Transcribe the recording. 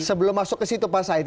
sebelum masuk ke situ pak said